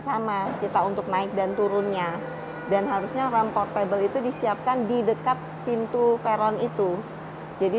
sama kita untuk naik dan turunnya dan harusnya ram portable itu disiapkan di dekat pintu peron itu jadi